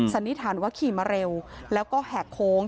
สันนิษฐานว่าขี่มาเร็วแล้วก็แหกโค้ง